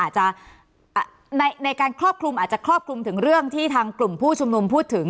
อาจจะในการครอบคลุมอาจจะครอบคลุมถึงเรื่องที่ทางกลุ่มผู้ชุมนุมพูดถึง